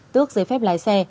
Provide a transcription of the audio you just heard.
tước giấy phép lái xe